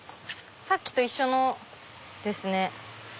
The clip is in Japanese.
さっきと一緒のですね。